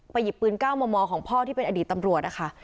ไปหยิบปืนเก้าหมอของพ่อที่เป็นอดีตตำรวจอะค่ะ